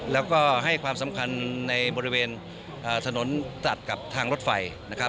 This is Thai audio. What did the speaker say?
แล้วก็ให้ความสำคัญในบริเวณถนนตัดกับทางรถไฟนะครับ